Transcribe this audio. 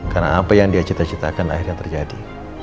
karena apa yang dia cita citakan akhirnya terjadi